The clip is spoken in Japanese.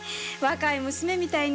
若い娘みたいに。